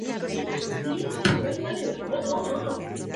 Esta opción tiene varias islas con diferentes diseños y texturas temáticas.